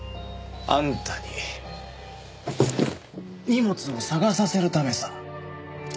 あんたに荷物を捜させるためさ。